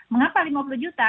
mengapa lima puluh juta